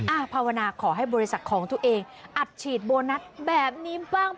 ภาวนาขอให้บริษัทของตัวเองอัดฉีดโบนัสแบบนี้บ้าง